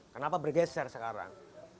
kenapa bergeser sekarang